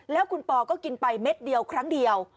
แล้วคุณปอก็กินไปเม็ดเดียวครั้งเดียว